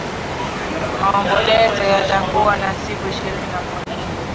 Maombolezo yatakuwa ni siku ishirini na moja